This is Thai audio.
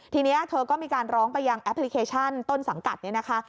ทีนี้เธอก็มีการร้องไปยังแอปพลิเคชันต้นสังกัดเนี่ยนะคะ